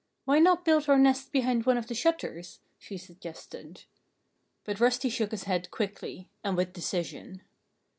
"Why not build our nest behind one of the shutters?" she suggested. But Rusty shook his head quickly and with decision.